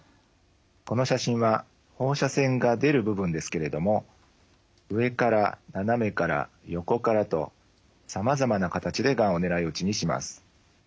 この写真は放射線が出る部分ですけれどもとさまざまな形でがんを狙い撃ちにします。